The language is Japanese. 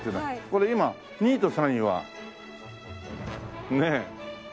これ今２位と３位はねえ。